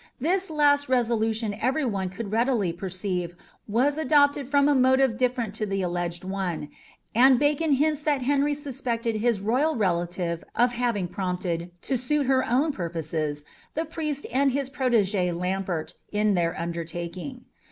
This last resolution every one could readily perceive was adopted from a motive different to the alleged one, and Bacon hints that Henry suspected his royal relative of having prompted, to suit her own purposes, the priest and his protégé Lambert in their undertaking.